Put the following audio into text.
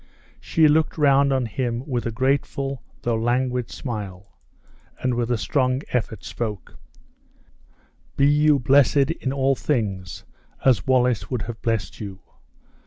She looked round on him with a grateful though languid smile, and with a strong effort spoke: "Be you blessed in all things as Wallace would have blessed you!